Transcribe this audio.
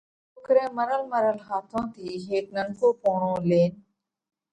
سوڪرئہ مرل مرل هاٿون ٿِي هيڪ ننڪو پوڻو لينَ